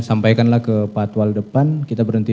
sampaikanlah ke patwal depan kita berhenti